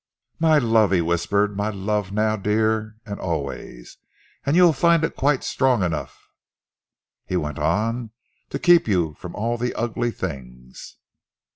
"My love," he whispered, "my love now, dear, and always, and you'll find it quite strong enough," he went on, "to keep you from all the ugly things.